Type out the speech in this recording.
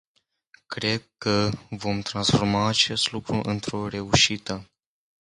Cred că vom transforma acest lucru într-o reușită.